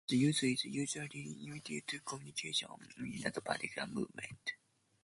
This use is usually limited to communication within that particular movement.